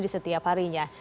di setiap harinya